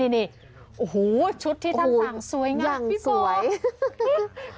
นี่ชุดที่ท่านสั่งสวยง่ายพี่โป๋